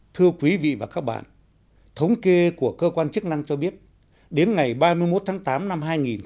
thưa quý vị và các bạn thống kê của cơ quan chức năng cho biết đến ngày ba mươi một tháng tám năm hai nghìn một mươi chín